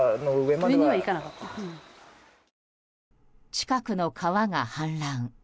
近くの川が氾濫。